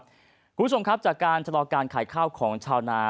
คุณผู้ชมครับจากการชะลอการขายข้าวของชาวนา